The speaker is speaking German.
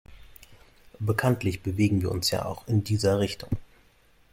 Bekanntlich bewegen wir uns ja auch in dieser Richtung.